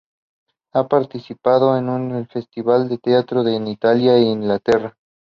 Ha participado en festivales de teatro en Italia e Inglaterra.